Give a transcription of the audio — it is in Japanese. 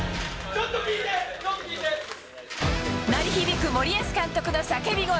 ちょっと聞鳴り響く森保監督の叫び声。